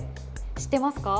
知ってますか？